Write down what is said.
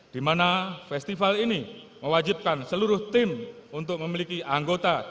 di mana festival ini mewajibkan seluruh tim untuk memiliki anggota